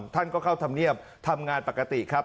ท่านก็เข้าธรรมเนียบทำงานปกติครับ